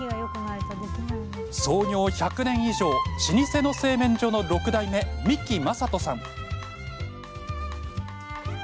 創業１００年以上老舗の製麺所の６代目三木政人さん。